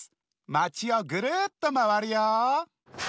まちをぐるっとまわるよ。